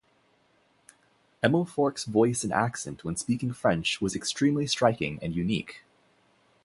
Emilfork's voice and accent when speaking French was extremely striking and unique.